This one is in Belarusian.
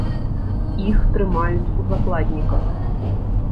Іх трымаюць у закладніках.